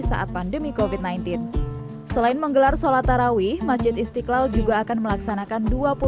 saat pandemi kofit sembilan belas selain menggelar sholat tarawih masjid istiqlal juga akan melaksanakan